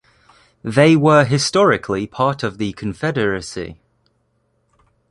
They were historically part of the confederacy.